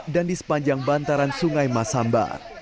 dan di sepanjang bantaran sungai masamba